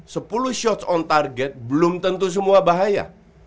sepuluh shots on target belum tentu semua bahaya